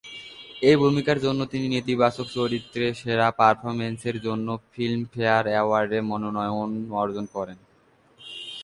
এই ভূমিকার জন্য তিনি নেতিবাচক চরিত্রে সেরা পারফরম্যান্সের জন্য ফিল্মফেয়ার অ্যাওয়ার্ডের মনোনয়ন অর্জন করে।